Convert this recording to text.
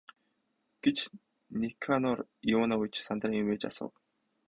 гэж Никанор Иванович сандран эмээж асуув.